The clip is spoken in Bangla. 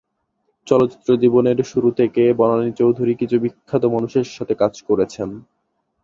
চলচ্চিত্র জীবনের শুরু থেকে বনানী চৌধুরী কিছু বিখ্যাত মানুষের সাথে কাজ করেছেন।